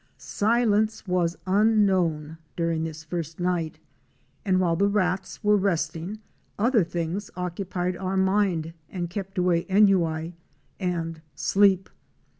Silence was unknown during this first night, and while the rats were resting, other things occupied our minds and kept away ennui —and sleep.